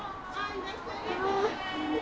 いらっしゃいませ。